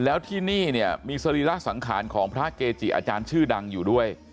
แล้วที่นี่เนี่ยมีสรีระสังขารของพระเกจิอาจารย์ชื่อดังอยู่ด้วย